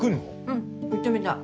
うん行ってみたい。